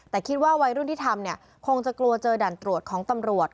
แต่คิดว่าวัยรุ่นที่ทำเนี่ยคงจะกลัวเจอด่านตรวจของตำรวจ